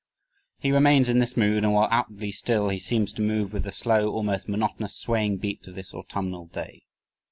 He remains in this mood and while outwardly still, he seems to move with the slow, almost monotonous swaying beat of this autumnal day.